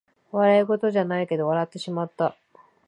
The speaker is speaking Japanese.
笑いごとじゃないけど笑ってしまった